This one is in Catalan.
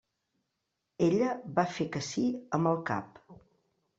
Ella va fer que sí amb el cap.